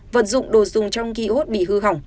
vận dụng đồ dùng trong kỳ hốt bị hư hỏng